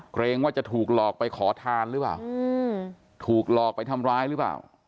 เกรงว่าจะถูกหลอกไปขอทานหรือเปล่าถูกหลอกไปทำร้ายหรือเปล่า